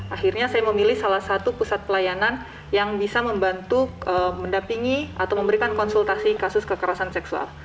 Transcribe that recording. akhirnya saya memilih salah satu pusat pelayanan yang bisa membantu mendapingi atau memberikan konsultasi kasus kekerasan seksual